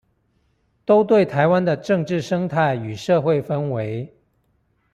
都對臺灣的政治生態與社會氛圍